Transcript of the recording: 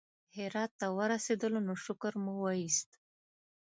هرات ته ورسېدلو نو شکر مو وایست.